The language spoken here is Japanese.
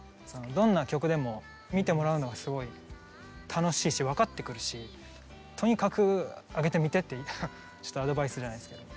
どんな曲でも見てもらうのがすごい楽しいし分かってくるしとにかく上げてみてってちょっとアドバイスじゃないですけど。